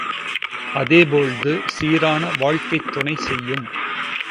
அதேபோழ்து சீரான வாழ்க்கைக்குத் துணை செய்யும்.